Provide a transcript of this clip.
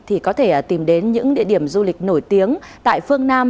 thì có thể tìm đến những địa điểm du lịch nổi tiếng tại phương nam